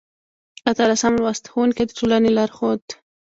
اتلسم لوست: ښوونکی د ټولنې لارښود